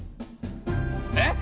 えっ！？